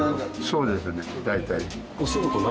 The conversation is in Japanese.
そうですね大体。